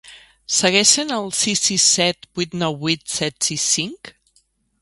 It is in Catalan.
Segueix sent el sis sis set vuit nou vuit set sis cinc?